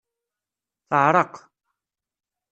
Teɛreq.